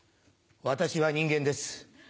私は人間です。